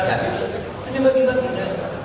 jadi ini bagi kita